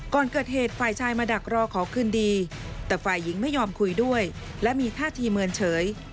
ก่อนเกิดเหตุฝ่ายชายมาดักรอขอคืนดีแต่ฝ่ายหญิงไม่ยอมคุยด้วยและมีท่าทีเมินเฉย